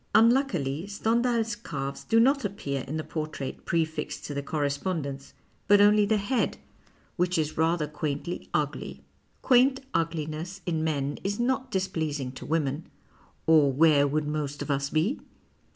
Unluckily, Stend hal's calves do not appear in the portrait prefixed to the Correspondence, but only the head, which is 248 STENDHAL rather quaintly ugly. Quaint ugliness in men is not displeasing to women (or where would most of us be